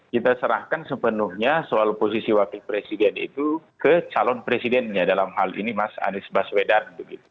kita serahkan sepenuhnya soal posisi wakil presiden itu ke calon presidennya dalam hal ini mas anies baswedan